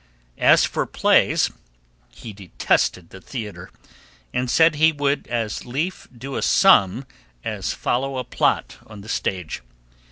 As for plays, he detested the theatre, and said he would as lief do a sum as follow a plot on the stage.